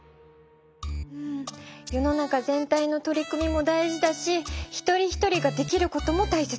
世の中全体の取り組みも大事だし一人一人ができることも大切。